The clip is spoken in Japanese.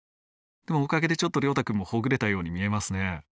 でもおかげでちょっと崚太くんもほぐれたように見えますね。